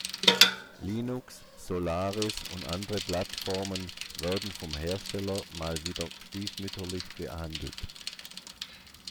Linux, Solaris und andere Plattformen werden vom Hersteller mal wieder stiefmütterlich behandelt.